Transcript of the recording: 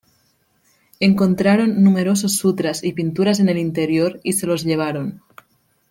Encontraron numerosos sutras y pinturas en el interior y se los llevaron.